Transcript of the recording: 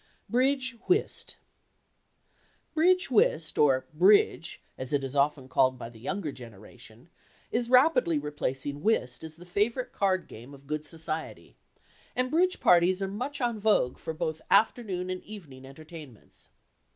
BRIDGE WHIST "Bridge whist," or "Bridge," as it is often called by the younger generation, is rapidly replacing whist as the favorite card game of good society, and "bridge" parties are much en vogue for both afternoon and evening entertainments.